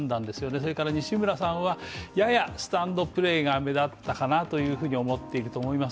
それから西村さんはややスタンドプレーがめだったかなというふうに思っていると思います